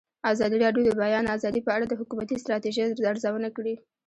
ازادي راډیو د د بیان آزادي په اړه د حکومتي ستراتیژۍ ارزونه کړې.